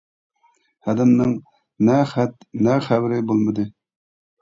ھەدەمنىڭ نە خەت نە خەۋىرى بولمىدى.